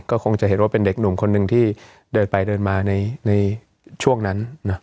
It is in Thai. ก็คงจะเห็นว่าเป็นเด็กหนุ่มคนหนึ่งที่เดินไปเดินมาในช่วงนั้น